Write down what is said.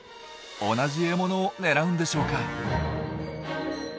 同じ獲物を狙うんでしょうか？